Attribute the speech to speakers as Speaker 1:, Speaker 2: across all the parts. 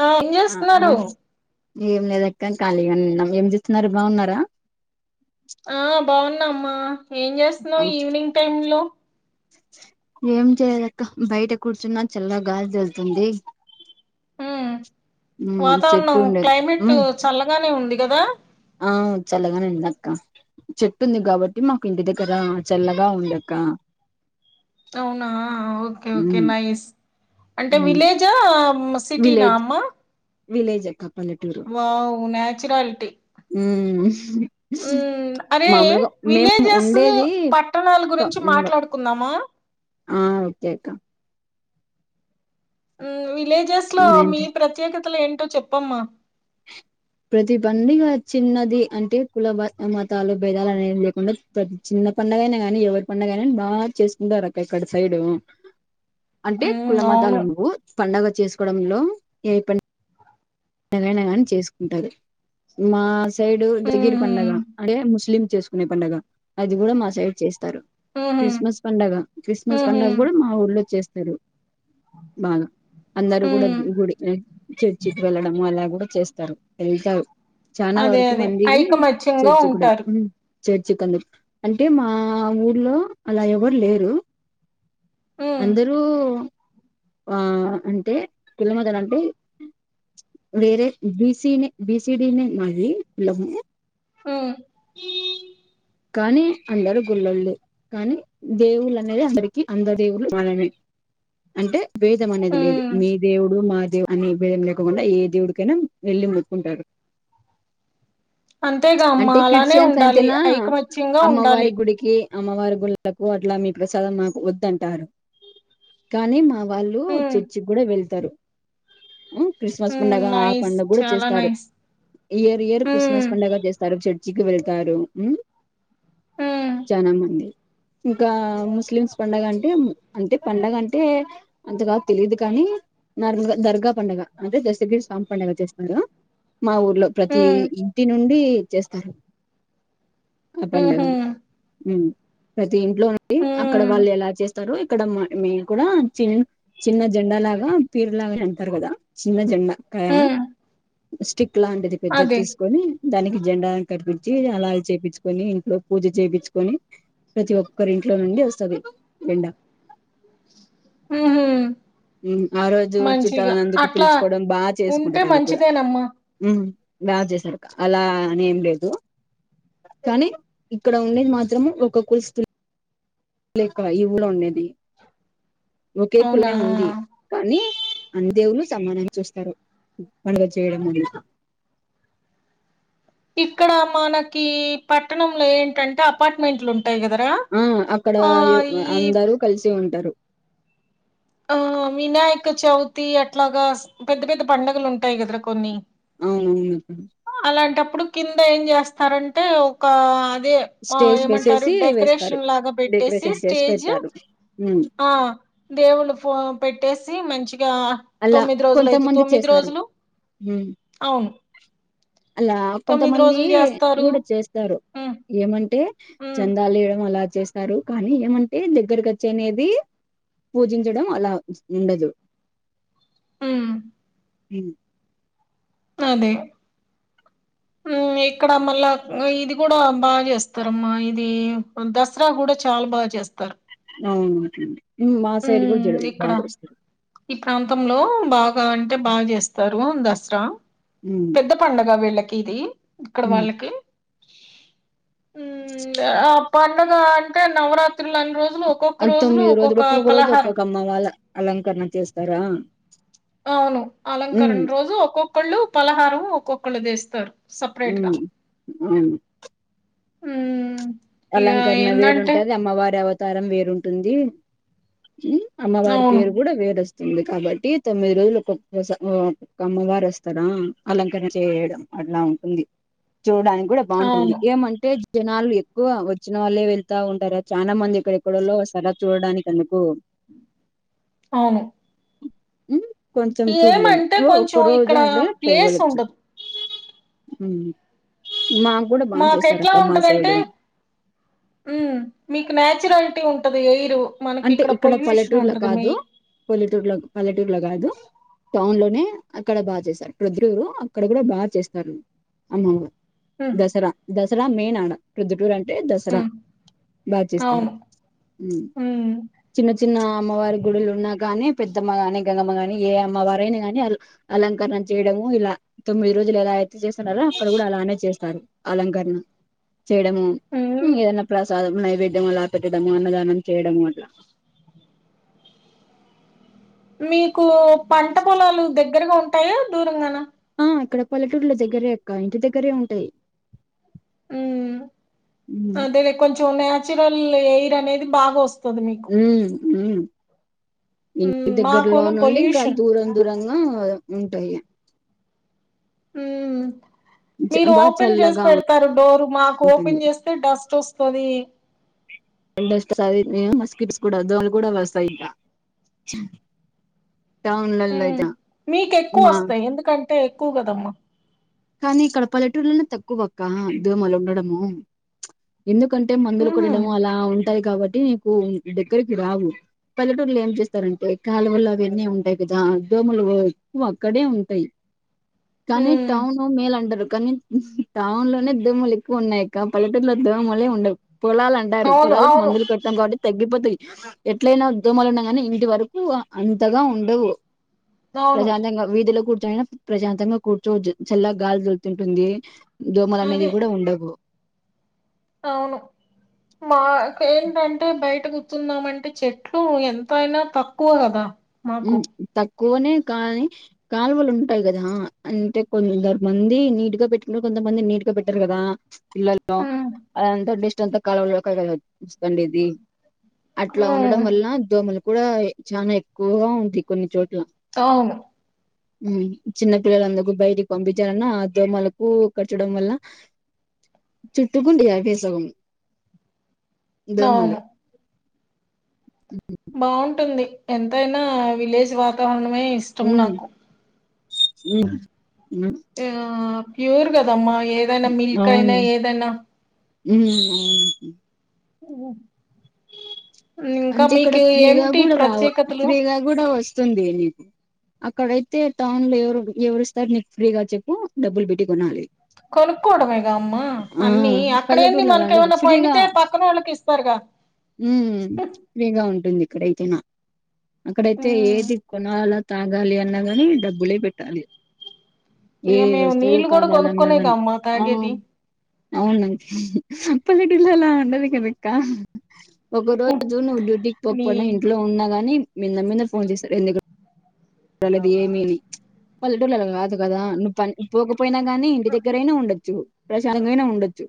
Speaker 1: ఆ ఏం
Speaker 2: ఆ ఆ
Speaker 1: చేస్తున్నారు
Speaker 2: ఏం లేదక్క ఖాళీగానే ఉన్నాం ఏం చేస్తున్నారు బాగున్నారా
Speaker 1: బాగున్నా అమ్మా ఏం చేస్తున్నావు ఈవినింగ్ టైమ్ లో
Speaker 2: ఏం చేయ్లేక బయట కూర్చున్నా, చల్ల గాలి తోల్తుంది.
Speaker 1: హ్మ్
Speaker 2: చెట్టు
Speaker 1: వాతావరణం
Speaker 2: ఉండేది
Speaker 1: క్లైమేట్
Speaker 2: ఉమ్
Speaker 1: చల్లగానే ఉంది. కదా
Speaker 2: ఆ చల్లగానే ఉందక్క చెట్టుంది. కాబట్టి మాకు ఇంటి దగ్గర చల్లగా ఉందక్క.
Speaker 1: అవునా ఓకే ఓకే
Speaker 2: ఉమ్
Speaker 1: నైస్ అంటే
Speaker 2: ఉమ్
Speaker 1: విలేజా సిటీనా అమ్మా
Speaker 2: విలేజేక్క
Speaker 1: వావ్ నాట్ చీరాలిటి
Speaker 2: ఉమ్
Speaker 1: ఉమ్ అరే
Speaker 2: మామూలుగా మేము
Speaker 1: విలేజెస్
Speaker 2: ఉండేది
Speaker 1: పట్టణాలు గురించి
Speaker 2: టౌన్ లో
Speaker 1: మాట్లాడుకుందామా.
Speaker 2: ఆ ఓకే అక్క
Speaker 1: ఉమ్ వి విలేజెస్ లో
Speaker 2: ఉమ్,
Speaker 1: మీ ప్రత్యేకత కతలు ఏంటో చెప్పమ్మా
Speaker 2: ప్రతి పండగ చిన్నది అంటే కుల మతాలు భేదాలు అనేవి లేకుండా ప్రతి చిన్న పండగ అయినా కానీ ఎవరి పండగైన కాని బాగా చేసుకుంటారు. అక్క ఆక్కడ సైడు అంటే
Speaker 1: ఉమ్
Speaker 2: కుల మతాలు
Speaker 1: అవును
Speaker 2: ఉండవు పండగ చేసుకోవడంలో ఏ పని నైనా గాని చేసుకుంటారు. మా సైడ్ దశగిరి
Speaker 1: ఉహు
Speaker 2: పండగ అంటే ముస్లిం చేసుకునే పండుగ అది కూడా మా సైడ్ చేస్ స్తారు
Speaker 1: ఉహు
Speaker 2: క్రిస్మస్ పండుగ క్రిస్మస్
Speaker 1: ఉహు
Speaker 2: పండుగ కూడ మా ఊర్లో చేస్త స్తారు మన అందరు కూడా
Speaker 1: ఉమ్
Speaker 2: గుడికి చేర్చికి అలా కూడ చేస్తారు ఎల్తవ్
Speaker 1: అదే అదే ఐకమత్యంగా ఉంటారు.
Speaker 2: చర్చి ఎందుకు అంటే మా ఊర్లో అలా ఎవరు లేరు.
Speaker 1: ఉమ్
Speaker 2: అందరూ ఆ అంటే పిల్లా మదలు అంటే వేరే బిసి నే బిసీ డి నే మాది కులము
Speaker 1: హు
Speaker 2: కానీ అందరు గుళ్ళల్లో కానీ దేవుళ్ళు అనేది అందరికి అంద దేవుళ్ళు వాననే అంటే భేదం అనేది లేదు.
Speaker 1: ఉమ్
Speaker 2: మీ దేవుడు మా దేవుడు అనే భేదం లేకకుండా ఏ దేవుడికైనా ఏళ్ళి మొక్కుంటారు.
Speaker 1: అంతేగా అమ్మ
Speaker 2: అంటే
Speaker 1: అలానే
Speaker 2: క్రిస్టియన్స్
Speaker 1: ఉండాలి
Speaker 2: అయితేనా
Speaker 1: ఐకమత్య
Speaker 2: అమ్మవారి గుడికి అమ్మవారి గుళ్లకు అట్లా మీ ప్రసాదం మాకు వద్దంటారు కానీ మా వాళ్ళు
Speaker 1: ఉమ్
Speaker 2: చర్చికి కూడా వెళ్ తరు క్రిస్మస్
Speaker 1: ఉమ్
Speaker 2: పడుగ ఆ
Speaker 1: నైస్
Speaker 2: పండుగ కూడా
Speaker 1: చాలా
Speaker 2: చేస్తారు.
Speaker 1: Nice
Speaker 2: year year Christmas
Speaker 1: um
Speaker 2: పండుగ చేస్తారు. చెట్ ర్చికి వెళ్తారు
Speaker 1: ఉమ్
Speaker 2: చనా మంది ఇంకా ముస్లిమ్స్ పండగ అంటే అంటే పండగ అంటే అంతగా తెలియదు కానీ నార్మల్గా దర్గా పండుగ అంటే దశగిరి స్వామి పండుగ చేస్తున్నారు. మా ఊర్లో ప్రతి
Speaker 1: ఉమ్
Speaker 2: ఇంటి నుండి చేస్తారు అ
Speaker 1: ఉహు
Speaker 2: పండగను హ్ దీంట్లో ఉండి అక్కడ
Speaker 1: ఉమ్
Speaker 2: వాళ్ళు ఎలా చేస్తారు ఇక్కడ మేము కూడా చిన్న చిన్న జెండా లాగా పీరు లాగా అంటారు. కదా చిన్న జెండా క
Speaker 1: ఉమ్
Speaker 2: బ స్టిక్ లాంటిది పెద్దది
Speaker 1: అదే
Speaker 2: తీసుకొని దానికి జెండా కట్టిపిచ్చి అలాగ చేపిచుకు కొని ఇంట్లో పూజ చేపిచ్చుకొని ప్రతి ఒక్కరు ఇంట్లో నుండి వస్తది ఎండా
Speaker 1: ఉహు
Speaker 2: మ్మ్ ఆ రోజు
Speaker 1: మంచిగా
Speaker 2: చుట్టాలనందుకు
Speaker 1: అట్లా
Speaker 2: పిలుచుకోవడం బా
Speaker 1: ఉంటే
Speaker 2: చేసుకుంటారు అది కూడా
Speaker 1: మంచిదేనమ్మా
Speaker 2: మ్మ్ బా చేసారు అలా అనేం లేదు కానీ ఇక్కడ ఉండేది మాత్రము ఒక కులుస్తుల్ లేక ఈవుల ఉండేది ఒకే
Speaker 1: అవునా
Speaker 2: కులమే ఉంది కానీ అన్ని దేవులు సమానం చూస్తారు పండగ చేయడం అని
Speaker 1: ఇక్కడ మనకి పట్టణంలో ఏంటంటే అపార్ట్మెంట్లు ఉం
Speaker 2: ఆ అక్కడ
Speaker 1: ఈ
Speaker 2: అందరూ కలిసి ఉంటా టరు
Speaker 1: ఆ వినాయక చవితి అట్లాగా స్ పెద్ద పెద్ద పండగలు ఉంటాయి కదరా కొన్ని
Speaker 2: అవునవును అక
Speaker 1: ఇప్పుడు కింద ఏం చేస్తారంటే ఒకా తే
Speaker 2: స్టేజ్
Speaker 1: ఏమంటారు
Speaker 2: వేసేసి వేస్తారు
Speaker 1: డెకరేషన్ లాగా పెట్టేసి
Speaker 2: డెకరేషన్ చేసి
Speaker 1: స్టేజ్
Speaker 2: పెడతారు
Speaker 1: ఆ దేఊళ్ళ ఫో పెట్టేసి మంచి ఇకా
Speaker 2: అలా
Speaker 1: తొమ్మిది రోజులు అయితే
Speaker 2: కొంతమంది
Speaker 1: తొమ్మిది
Speaker 2: చేస్తారు
Speaker 1: రోజులు అవును
Speaker 2: అలా
Speaker 1: తొమ్మిది
Speaker 2: కొంతమంది
Speaker 1: రోజులు చేస్తారు
Speaker 2: కూడా చేస్తారు
Speaker 1: ఉమ్
Speaker 2: ఏమంటే
Speaker 1: ఉమ్
Speaker 2: చందాలు వేయడం అలా చేస్త స్తారు కానీ ఏమంటే దగ్గరకు వచ్చి అనేది పూజించడం అలా ఉండదు
Speaker 1: మ్మ్
Speaker 2: హ్మ్
Speaker 1: అదే మ్మ్ ఇక్కడ మళ్ళా ఇది కూడా బాగా చేస్తార అమ్మా ఇది దసరా కూడా చాలా బాగా చేస్తారు
Speaker 2: మ్మ్ అట్లనే మ్మ్ మా సైడ్ కూడా
Speaker 1: ఉమ్
Speaker 2: జరుగు బా
Speaker 1: ఇక్కడ
Speaker 2: జేస్తారు
Speaker 1: ఈ ప్రాంతంలో బాగా అంటే బాగా జేస్తారు దసరా
Speaker 2: ఉమ్,
Speaker 1: పెద్ద పండగా వీళ్ళక్ తిధి ఇక్కడ
Speaker 2: ఉమ్.
Speaker 1: వాళ్ళకి మ్మ్ ఆప్ పండుగ అంటే నవరాత్ త్రులు అన్ని రోజులు
Speaker 2: ఆ
Speaker 1: ఒక్కొక్క రోజులు
Speaker 2: తొమ్మిది
Speaker 1: ఒక్కొక్క
Speaker 2: రోజు
Speaker 1: పలహారం
Speaker 2: ఒక్కొక్క అమ్మ వాళ్ళ అలంకరణ చేస్తారా
Speaker 1: అవును
Speaker 2: ఉమ్,
Speaker 1: అలంకరణ రోజు ఒక్కొక్కోళ్ళు పలహారం ఒక్కొక్క క్కలు తెస్తారు సపరేట్గా
Speaker 2: మ్మ్
Speaker 1: హ్మ్
Speaker 2: అలంకరణ వేరుంటాది అమ్మవారు అవత్ తరం వేరుంటుంది హ్మ్ అమ్మవారి
Speaker 1: అవును
Speaker 2: పేరు కూడా వేర్ వస్త్ దికాబట్టి తొమ్మిది రోజులు ఒక్కొక్కస ఒకో అమ్మవారు వస్తారా అలంకరణ చేయడం అట్లా ఉంటుంది చూడడానికి కూడా బాగుంటుంది
Speaker 1: అవును
Speaker 2: ఏమంటే జనాలు గో వచ్చిన వాళ్ళే వెళ్తా ఉంటారా, చాలా మంది ఇక్కడెక్కడోళ వస్తారా, చూడడానికి అందుకు
Speaker 1: అవును
Speaker 2: ఉమ్ కొంచెం చూడలేము
Speaker 1: ఏమంటే
Speaker 2: ఓ ఒక్క
Speaker 1: కొంచెం
Speaker 2: రోజు
Speaker 1: ఇక్కడ
Speaker 2: అంటే
Speaker 1: ప్లేస్
Speaker 2: పోవ్వలచ్చు.
Speaker 1: ఉండదు
Speaker 2: ఉ మాకు కూడా బాగా చేసారు అక్క మా సైడు
Speaker 1: ఉ మీకు నాచురాలిటీ ఉంటది ఎయిరు మనకి
Speaker 2: అంటే ఇక్కడ
Speaker 1: పొల్యూషన్
Speaker 2: పల్లెటూర్ల
Speaker 1: ఉంటది మీ
Speaker 2: కాదు పల్లెటూర్ల పల్లెటూర్ల కాదు టౌన్ లో అక్కడ బాగా చేస్తారు పుదు్రూరు అక్కడ కూడా బాగా చేస్తారు అమ్మవారు
Speaker 1: ఉమ్
Speaker 2: దసరా దస మెయిన్ ఆడ ప్రొద్దుటూరండి అంటే దసరా
Speaker 1: ఉమ్
Speaker 2: బాగ చేస్తారు
Speaker 1: హమ్
Speaker 2: చిన్న చిన్న అమ్మవారి గుడులు ఉన్నా గానీ పెద్దమ్మగాని గంగమ్మ ని ఏ అమ్మ వారైనా కాని అలంకరణ చేయడము ఇలా తొమ్మిది రోజులు లేద చేస్తున్నారా అక్కడ కూడా అలానే చేస్తారు అలంకరణ చేయడము
Speaker 1: ఉమ్
Speaker 2: ఏదనా ప్లా నైవేద్యం అలా పెట్టడము అన్నదానం చేయడము ప్లా
Speaker 1: మీకు పంట పొలాలు ది దగ్గరగా ఉంటాయా దూరంగానా
Speaker 2: అక్కడ పల్లటూరుల దగ్గరే అక్క ఇంటి దగ్గరే ఉంటాయి
Speaker 1: హమ్
Speaker 2: ఉమ్,
Speaker 1: అదే కొంచెం న్యాచురల్ ఈ అనేది బాగా వస్తు మరి మీకు
Speaker 2: మ్మ ఇంటి
Speaker 1: ఉమ్
Speaker 2: దగ్గరలో
Speaker 1: మాకును
Speaker 2: నుండి ఇంకా
Speaker 1: పొల్యూషన్
Speaker 2: దూరం దూరం ఆ ఉంటాయి
Speaker 1: హమ్
Speaker 2: చ-
Speaker 1: మీరు
Speaker 2: బాగా
Speaker 1: ఓపెన్ చేసి
Speaker 2: చల్లగా
Speaker 1: పెడతారు డోర్ మాకు
Speaker 2: ఉంటుంది
Speaker 1: ఓపెన్ చేస్తే డస్ట్ వస్తు సోది
Speaker 2: ఎం చేస్తావ్ సర్గ వాడుకుంది కూడా వస్తాయి ఇంకా టౌన్లలో
Speaker 1: హమ్
Speaker 2: అయితే
Speaker 1: మీకు ఎక్కువ
Speaker 2: మా
Speaker 1: వస్తాయి ఎందుకంటే అంటే ఎక్కువ కదమ్మా
Speaker 2: కానీ ఇక్కడ పల్లెటూర్లోనే తక్కువక్క దోమలు ఉండడము ఎందుకంటే మందులు
Speaker 1: ఉహు
Speaker 2: కొటటము అలా ఉంటాయి కాబట్టి మీకు దగ్గరకి రావు, పల్లెటూర్లలో ఏం చేస్తారంటే కాలువల్ల అవన్నీ ఉంటాయి కదా దోమలు ఎక్కువ అక్కడే ఉంటాయి. కన్
Speaker 1: ఉమ్
Speaker 2: టౌను మేలంటరు కానీ టౌన్ లోనే దోమలు ఎక్కువున్నాయక్క పల్లటూర్లలో దోమలే ఉండవు. పొలాలంటారు
Speaker 1: అవును
Speaker 2: పొలాలుకు
Speaker 1: అవును
Speaker 2: మందులు కొడతాం కాబట్టి తగ్గిపోతాయి ఎట్లయినా దోమలు ఉండ కాని ఇంటి వరకు అంతగా ఉండవు
Speaker 1: అవును
Speaker 2: ప్రశాంతంగా వీధులో కూ నా ప్రశాంతంగా కూర్చోవచ్చు చల్ల గాలి దొలుతుంటుంది దోమలు అనేది
Speaker 1: అదే
Speaker 2: కూడా ఉండవు
Speaker 1: అవును, మాకు ఏంటంటే బయట కూర్చుందాం అంటే చెట్లు ఎంతయినా తక్కువ కదా మాకు
Speaker 2: మ్ తక్ నే కానీ కాలువలు ఉంటాయి కదా, అంటే కొందరమంది నీట్ గా పెట్టుకుంటారు, కొంతమంది నీట్ గా పెట్టారు కదా పిల్లల్లో
Speaker 1: ఉమ్
Speaker 2: అదిఅంత ది జంత [unintelligible] [unintelligible] వస్తుండేది అట్ల ఉండడం
Speaker 1: ఉమ్,
Speaker 2: వల్ల దోమల్ కూడా చానా ఎక్ [unintelligible] గ ఉంది కొన్ని చోట్ల
Speaker 1: అవును
Speaker 2: హమ్ చిన్న పిల్లలందకు బయటికి పంపించాలన్న దోమలకు కర్చడం వల్ల చుట్టుకుంటే అవే సగం దోమలు
Speaker 1: అవును బాగుంటుంది ఎంతయినా విలేజ్ వాతావరణం వే ఇష్టం నాకు
Speaker 2: ఉ
Speaker 1: ఆ ప్యూర్ కదమ్మా ఏదైనా మిల్క్ అయినా ఏదైనా
Speaker 2: ఊ అవును
Speaker 1: ఓ
Speaker 2: అంటే ఇక్కడ ఫ్రీగా కూడా రావ
Speaker 1: ప్రత్యేకతలు
Speaker 2: ఫ్రీగా కూడా వస్తుంది. నీది అక్కడైతే టౌన్ లో ఎవరు ఎవరు ఇస్తారు నీకు ఫ్రీగా చెప్పు డబ్బులు పెట్టి కొనాలి.
Speaker 1: కొనుక్కోవడమే గ అమ్మా
Speaker 2: ఆ
Speaker 1: అన్నీ అక్కడే ఏంది
Speaker 2: పల్లెటూర్లో అలా ఉండదు
Speaker 1: మనకేమన్నా
Speaker 2: ఫ్రీగా
Speaker 1: పండితే పక్కన వాళ్ళకి ఇస్తారుగా
Speaker 2: గా ఉంటుంది ఇక్కడైతేనా అక్కడైతే
Speaker 1: ఉమ్
Speaker 2: ఏది కొనాలా తాగాలి అన్నాగాని డబ్బులే పెట్టాలి. ఏ
Speaker 1: ఇక మేము
Speaker 2: వస్తువు
Speaker 1: నీళ్లు కూడా కొనుక్క్కకునే గా అమ్మ తాగేది
Speaker 2: అవును పల్లెటూర్లో అలా ఉండది కదా అక్క ఒక రో రోజు నువ్వు డ్యూటీకి
Speaker 1: నీ
Speaker 2: పోకపోయినా ఇంట్లో ఉన్నా గాని మీ నమ్మిన ఫోన్ చేస్తారు ఎందుకులేదు ఏమిని పల్లెటూర్లో అలా కాదు కదా నువ్వు ప పోయినా గాని ఇంటి దగ్గరైనా ఉండొచ్చు. ప్రశాంతంగా నైనా ఉండొచ్చు.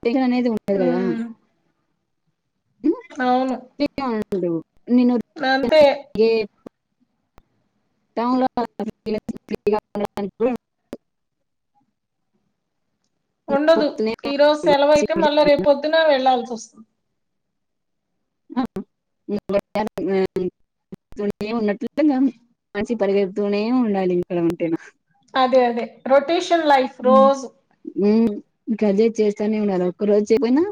Speaker 2: ప్రేజర్ అనేది ఉండదు కదా
Speaker 1: ఉమ్ అవును
Speaker 2: పిల్లలు
Speaker 1: అంతే
Speaker 2: ఏ [unintelligible]
Speaker 1: ఉండదు ఈ రోజు సెలవు అయితే మళ్ళా రేపుద్దున వెళ్ళల్సి వస్తుంది.
Speaker 2: [unintelligible] ఉన్నట్లు [unintelligible] పరిగెడుతూనే ఉండాలి ఇక్కడ ఉంటేనా
Speaker 1: అదే అదే రొటేష లైఫ్ రోజు
Speaker 2: ఊ ఇంక అదే చేస్తానే ఉండాలి ఒక్క రోజు చేయపోయినా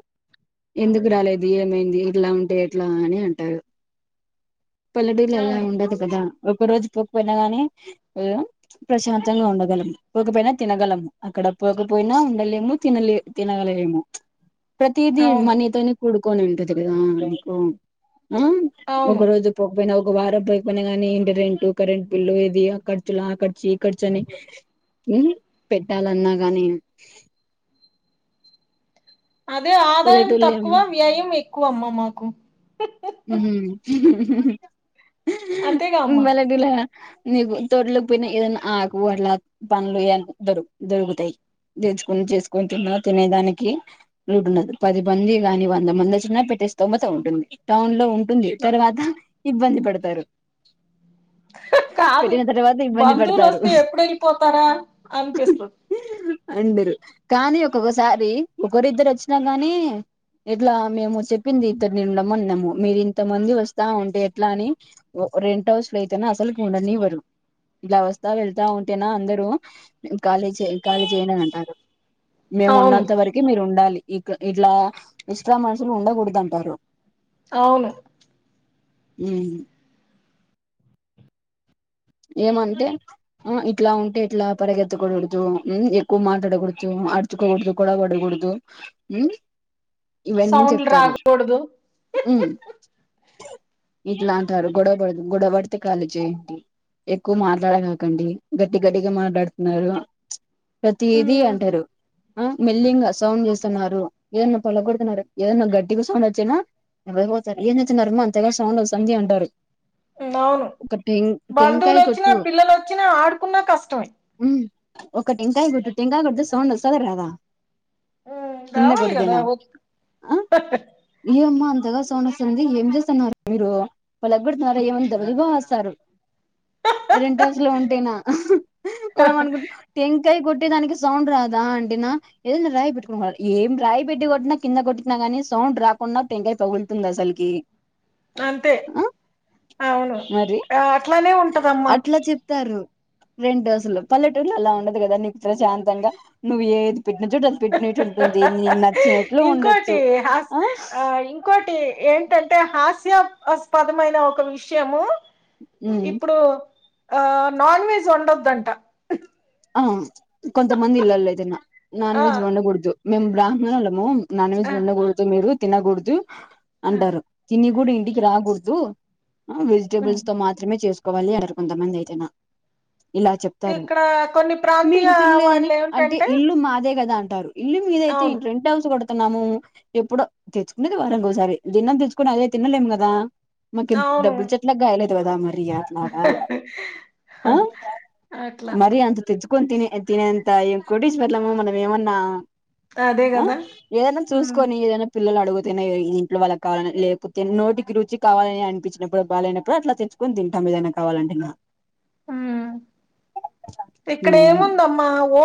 Speaker 2: ఎందుకు రాలేదు ఏమైంది ఇట్లా ఉంటే ఎట్లా అని అంటారు. పల్లెటూరులో ఆలా
Speaker 1: అవును
Speaker 2: ఉండదు కదా ఒక రోజు పోకపోయినా గానీ ప్రశాంతంగా ఉండగలము పోకపోయినా తినగలము అక్కడ పోకపోయినా ఉండలేము తినలే తినగలలేము ప్రతిదీ
Speaker 1: అవును
Speaker 2: మనీతోనే కూడు కొన ఉంటది కదా లైఫు ఆ ఒక
Speaker 1: అవును
Speaker 2: రోజు పోకపోయిన ఒక వారద్ ఐపోయిన గాని ఇంటి రెంటు కరెంట్ బిల్లు ఇది ఆ ఖర్చులు ఆ ఖర్చ ఈ ఖర్చ అని హ్మ్ పెట్టాలన్నాగానీ
Speaker 1: అదే ఆదాయం తక్కువ వ్యయం ఎ క్కువ అమ్మ మాకు
Speaker 2: ఉహుం హు హు హు
Speaker 1: అంతే గ అమ్మా
Speaker 2: నీకు తోటలకి పోయినా ఏదైనా ఆకు అట్ల పనులు ఏన్నా దొరు దొరుకుతాయి తెచ్చుకుని చేసుకొని తిన్నా తినేదానికి ఉంటుంది పది మంది గాని వంద మంది వచ్చినా పెట్టే స్థోమత ఉంటుంది టౌన్ లో ఉ టుంది తర్వాత ఇబ్బంది పడతారు
Speaker 1: హు కాదు
Speaker 2: పెట్టిన తర్వాత ఇబ్బంది
Speaker 1: బంధువులు
Speaker 2: పడతారు
Speaker 1: వస్తే ఎప్పుడు వెళ్ళిపోతారా అనిపిస్తుంది
Speaker 2: అండూరు కానీ ఒక్కొక్కసారి ఒకరిద్దరు వచ్చినా కానీ ఇట్లా మేము చెప్పింది ఇద్దరినీ ఉండమన్నం మీరింతమంది వస్తా ఉంటే ఎట్లా అని వో రెంట్ హౌస్ లో అయితేనా అసలుకి ఉండనివ్వరు ఇలా వస్తా వెళ్తా ఉంటేనా అందరు ఖాళీ చేయి ఖాళీ చేయండి అని అంటారు మేము
Speaker 1: అవును
Speaker 2: ఉన్నంత వరకు మీరు ఉండాలి ఇక్క ఇట్లా ఎక్స్ట్రా మనుషులు ఉండకూడదు అంటారు
Speaker 1: అవును
Speaker 2: ఉమ్ ఏమంటే ఆ ఇట్లా ఉంటే ఇట్లా పరిగెత్తకూడదు ఉమ్ ఎక్కువ మాట్లాడకూడదు అర్చుకోకూడదు గొడవ పడకూడదు ఉమ్ ఇవన్నీ
Speaker 1: సౌండ్లు
Speaker 2: చెప్తారు
Speaker 1: రాకూడదు
Speaker 2: ఉమ్ ఇట్లా అంటారు గొడవడ గొడవడితే కాళీ చెయ్యండి ఎక్కువ మాట్లాడ కాకండి గట్టి గట్టిగా మాట్లాడుతున్నారు ప్రతీది
Speaker 1: ఉమ్
Speaker 2: అంటారు ఆ మిల్లింగా సౌండ్ చేస్తున్నారు ఏదన్నా పొలగ కొడుతున్నారు ఏదన్నా గట్టిగా సౌండ్ వచ్చినావ్వపోతారు ఏచ్చన్నారుారమో అంతగా సౌండ్ వస్తుంది అంటారు
Speaker 1: అవును
Speaker 2: ఒక టెంగ్
Speaker 1: బంధువులు వచ్చినా పిల్లలు వచ్చినా ఆడుకున్నా కష్టమే
Speaker 2: ఉమ్ ఒక టెంకాయ కొట్టు టెంకాయ కొడితే సౌండ్ వస్తదా రాదా కింద
Speaker 1: రావాలి కదా
Speaker 2: కొడదేనా ఆ ఏయమ్మా అంతగా సౌండ్ వస్తుంది, ఏం చేస్తున్నారు మీరు పల పెడుతున్నారు ఏమంది దబ్బలు బాగా వస్తారు రెంటస్లు ఉంటేనా మనం అనుకుంట టెంకాయ కొట్ కొట్టే దానికి సౌండ్ రాదా అంటినా, ఏదైనా రాయి పెట్టు ఏం రాయి పెట్టి కొట్టినా కింద కొట్టినా గానీ సౌండ్ రాకుండా టంకాయి పగులుతుందా అసలకి
Speaker 1: అంతే అవును
Speaker 2: మరి
Speaker 1: ఆ అట్లానే ఉంటదమ్మా
Speaker 2: అట్లా చెప్తారు రెండు రోజులు పల్లెటూర్లో అలా ఉండదు కదా నీవు ప్రశాంతంగా నువ్వు ఏ పెట్టిన చోట అది పెట్టినట్టు ఉంటుంది నను నచ్చినట్లు
Speaker 1: ఇంకోటి
Speaker 2: ఉండొచ్చు
Speaker 1: హాస్
Speaker 2: ఆ
Speaker 1: ఇంకోటి ఏంటంటే హాస్యాస్పదమైన ఒక విషయము
Speaker 2: ఉమ్
Speaker 1: ఇప్పుడు ఆ నాన్ వెజ్ ఒండొద్ అంట
Speaker 2: అ కొంత మంది ఇళ్లలో ఏదైనా నాన్
Speaker 1: ఆ
Speaker 2: వెజ్ వండకుడదు మేమ్ బ్రాహ్నోళ్ళము నాన్వేజ్
Speaker 1: ఆ,
Speaker 2: వండకూడదు మీరు తిన గుడుజు
Speaker 1: ఆ,
Speaker 2: అంటారు తిని గుడ్ ఇంటికి రాకూడ్దు ఆ వెజిటబుల్స్ తో మాత్రమే చేస్ [unintelligible] కొంతమంది అయితేనా ఇలా చెప్తారు
Speaker 1: ఇక్కడ కొన్ని ప్రాంతీయ
Speaker 2: మీరు తినలేదని
Speaker 1: వాళ్ళు ఏమిటంటే
Speaker 2: అంటారు ఇల్లు మీదైతే
Speaker 1: అవును
Speaker 2: ఏంటి రెంట్ హౌస్ [unintelligible] తిన్నాము ఎప్పుడో తెచ్చుక్నేది వారనికోసారి దీన్నం తెచ్చుకుని అదే తినలేము కదా. మాకేం
Speaker 1: అవును
Speaker 2: డబ్బుల్ చెట్లక్ గాయలేద్ సరే గానీ మర్యాద్లాగ ఆ
Speaker 1: అట్లా
Speaker 2: మరి అందులో ఎత్కొని తీనే [unintelligible] తినే అంత ఏం కోటీశ్వర్లమ మనం ఏవన్నా
Speaker 1: అదే
Speaker 2: ఆ
Speaker 1: కదా
Speaker 2: ఏదనా
Speaker 1: ఉమ్
Speaker 2: చూసుకొని ఏదైనా పిల్లలు అడుగుతూనే గదా ఇంట్లో వాళ్ళకి కావాలని లేకపోతే, నోటికి రుచి కావాలని అనిపించినప్పుడు బాలేనప్పుడు, అట్లా తెంచుకొని తింటాం ఏదైనా కావాలంటే నా
Speaker 1: ఉమ్ ఇక్కడ
Speaker 2: ఉమ్
Speaker 1: ఏముందమ్మా ఓ